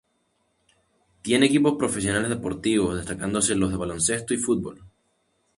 Tiene equipos profesionales deportivos, destacándose los de baloncesto y fútbol.